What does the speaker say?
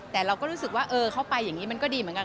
แต่เราก็รู้สึกว่าเออเข้าไปอย่างนี้มันก็ดีเหมือนกัน